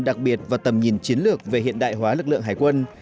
đặc biệt và tầm nhìn chiến lược về hiện đại hóa lực lượng hải quân